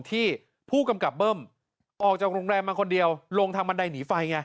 ที่ผู้กำกับเบิ้มออกจากโรงแรมมาคนเดียวลงทางบันไดหนีไฟไง